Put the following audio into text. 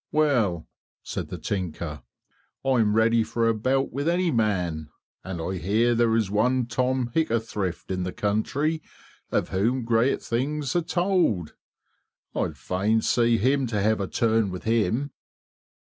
"Well," said the tinker, "I'm ready for a bout with any man, and I hear there is one Tom Hickathrift in the country of whom great things are told. I'd fain see him to have a turn with him."